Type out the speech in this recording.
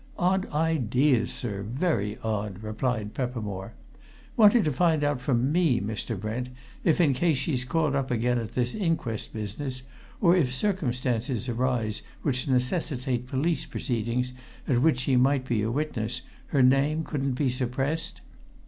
"Odd ideas, sir, very odd!" replied Peppermore. "Wanted to find out from me, Mr. Brent, if, in case she's called up again at this inquest business, or if circumstances arise which necessitate police proceedings at which she might be a witness, her name couldn't be suppressed?